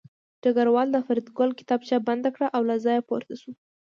ډګروال د فریدګل کتابچه بنده کړه او له ځایه پورته شو